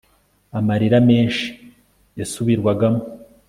Amararika menshi yasubirwagamo